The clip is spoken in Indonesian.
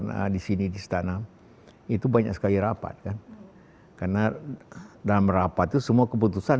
hai sudah disini busa nang itu banyak sekali rapat kan karena dalam rapat itu semua keputusan